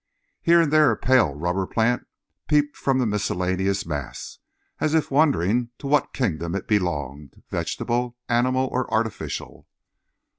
Here and there a pale rubber plant peeped from the miscellaneous mass, as if wondering to what kingdom it belonged—vegetable, animal or artificial.